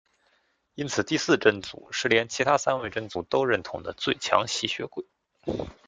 因此第四真祖是连其他三位真祖都认同的最强吸血鬼。